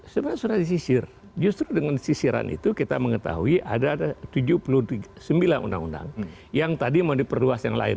sebenarnya sudah disisir justru dengan sisiran itu kita mengetahui ada tujuh puluh sembilan undang undang yang tadi mau diperluas yang lain